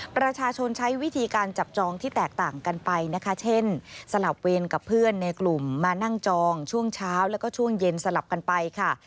ประชาชนใช้วิธีการจับจองที่แตกต่างกันไปนะคะเช่นสลับเวรกับเพื่อนในกลุ่มมานั่งจองช่วงเช้าแล้วก็ช่วงเย็นสลับกันไปค่ะ